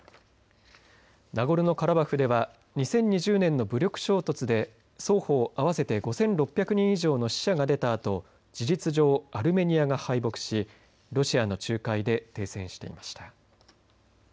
ナゴルノカラバフでは２０２０年の武力衝突で双方、合わせて５６００人以上の死者が出たあと事実上、アルメニアが敗北しロシアの仲介で停戦していました。